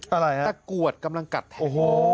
ตะกรวดกำลังกัดแทน